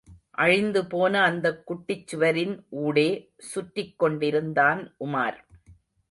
அழிந்துபோன அந்தக் குட்டிச் சுவர்களின் ஊடே சுற்றிக் கொண்டிருந்தான் உமார்.